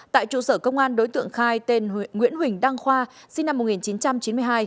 tại trụ sở công an đối tượng khai tên nguyễn huỳnh đăng khoa sinh năm một nghìn chín trăm chín mươi hai